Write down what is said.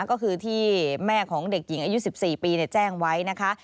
ก็คือที่แม่ของเด็กหญิงอายุ๑๔ปีแจ้งไว้นะคะ